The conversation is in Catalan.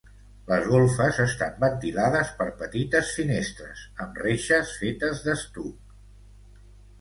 Les golfes estan ventilades per petites finestres, amb reixes fetes d'estuc.